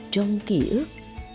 trong ký ức